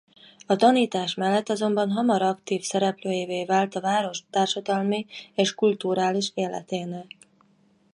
A tanítás mellett azonban hamar aktív szereplőjévé vált a város társadalmi és kulturális életének.